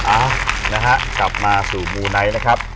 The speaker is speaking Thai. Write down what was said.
เอ้านะฮะกลับมาสู่มูไนท์นะครับ